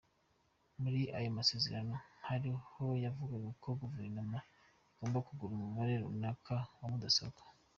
Muri ayo masezerano, hari aho yavugaga ko guverinoma igomba kugura umubare runaka wa mudasobwa.